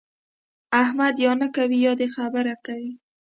احمد یا نه کوي يا د خبره کوي.